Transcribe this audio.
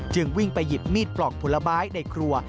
จึงวิ่งไปหยิบมีดปลอกผลบ้ายในครัว